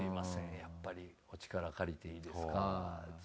やっぱりお力借りていいですか。